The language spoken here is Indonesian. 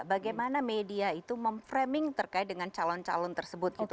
bagaimana media itu memframing terkait dengan calon calon tersebut gitu